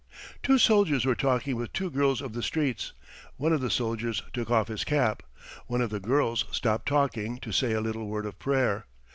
Two soldiers were talking with two girls of the streets. One of the soldiers took off his cap. One of the girls stopped talking to say a little word of prayer.